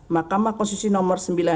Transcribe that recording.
makamah konstitusi nomor sembilan